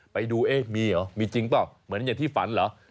ไปดูเอ๊ะมีเหรอมีจริงเปล่าเหมือนอย่างที่ฝันเหรอ